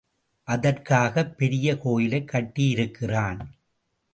அதற்காக பெரிய கோயிலைக் கட்டியிருக்கிறான்.